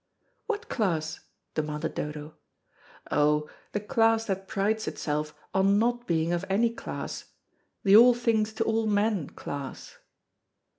"What class?" demanded Dodo. "Oh, the class that prides itself on not being of any class the all things to all men class."